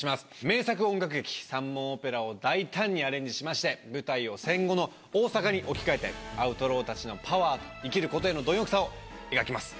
名作音楽劇『三文オペラ』を大胆にアレンジしまして舞台を戦後の大阪に置き換えてアウトローたちのパワーと生きることへの貪欲さを描きます。